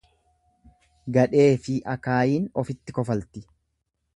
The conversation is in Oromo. Gadheefi akaayiin ofitti kofaltti.